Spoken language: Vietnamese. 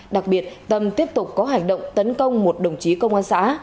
đặc biệt tâm tiếp tục có hành động tấn công một đồng chí công an xã